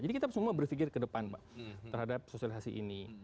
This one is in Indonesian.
jadi kita semua berpikir ke depan pak terhadap sosialisasi ini